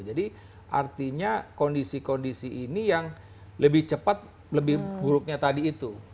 jadi artinya kondisi kondisi ini yang lebih cepat lebih buruknya tadi itu